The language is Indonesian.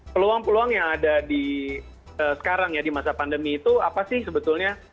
peluang peluang yang ada di sekarang ya di masa pandemi itu apa sih sebetulnya